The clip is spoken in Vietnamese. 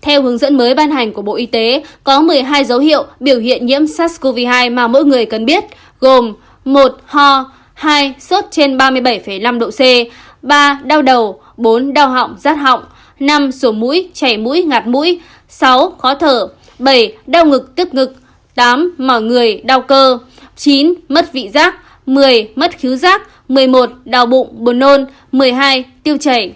theo hướng dẫn mới ban hành của bộ y tế có một mươi hai dấu hiệu biểu hiện nhiễm sars cov hai mà mỗi người cần biết gồm một ho hai sốt trên ba mươi bảy năm độ c ba đau đầu bốn đau họng rát họng năm sổ mũi chảy mũi ngạt mũi sáu khó thở bảy đau ngực tức ngực tám mở người đau cơ chín mất vị giác một mươi mất khíu giác một mươi một đau bụng bồn nôn một mươi hai tiêu chảy